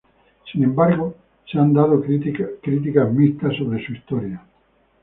Sin embargo se han dado críticas mixtas sobre su historia.